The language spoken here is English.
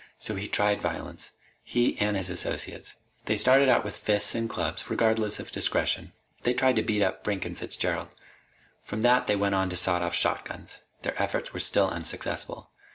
So he tried violence he and his associates. They started out with fists and clubs, regardless of discretion. They tried to beat up Brink and Fitzgerald. From that they went on to sawed off shotguns. Their efforts were still unsuccessful.